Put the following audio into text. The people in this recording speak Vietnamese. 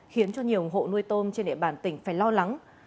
khiến cho nhiều hộ nuôi tôm trên hệ bản tỉnh phải lo lắng